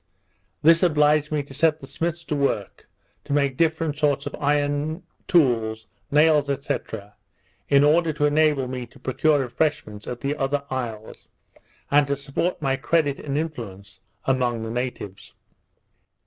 This obliged me to set the smiths to work to make different sorts of iron tools, nails, &c. in order to enable me to procure refreshments at the other isles, and to support my credit and influence among the natives.